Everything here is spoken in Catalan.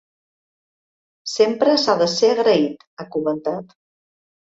Sempre s’ha de ser agraït, ha comentat.